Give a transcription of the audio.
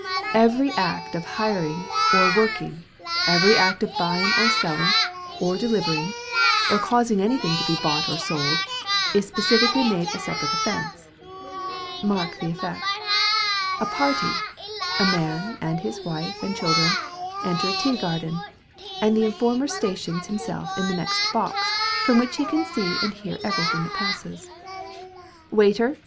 Every act of hiring or working, every act of buying or selling, or delivering, or causing anything to be bought or sold, is specifically made a separate offence—mark the effect. A party, a man and his wife and children, enter a tea garden, and the informer stations himself in the next box, from whence he can see and hear everything that passes. 'Waiter!